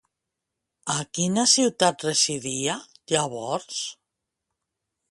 A quina ciutat residia llavors?